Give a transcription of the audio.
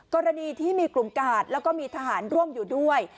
กรณีที่มีกลุ่มกาดแล้วก็มีทหารร่วมอยู่ด้วย